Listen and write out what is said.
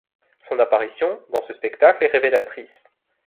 Son apparition dans ce spectacle est révélatrice.